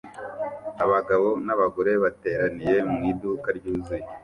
abagabo n'abagore bateraniye mu iduka ryuzuye